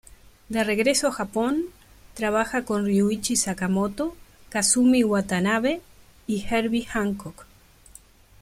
De regreso a Japón, trabaja con Ryuichi Sakamoto, Kazumi Watanabe y Herbie Hancock.